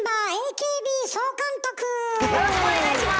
よろしくお願いします。